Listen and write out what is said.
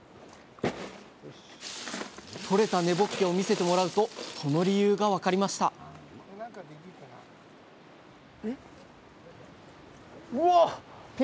とれた根ぼっけを見せてもらうとその理由が分かりましたうわっ！